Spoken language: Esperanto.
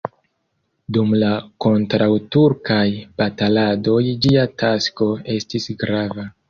Dum la kontraŭturkaj bataladoj ĝia tasko estis grava.